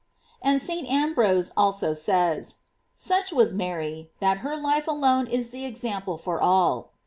* And St. Ambrose also says: Such was Mary, that her life alone is the example for all.